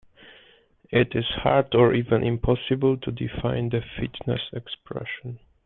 It is hard or even impossible to define the fitness expression.